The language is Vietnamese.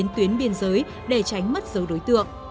tuyến biên giới để tránh mất dấu đối tượng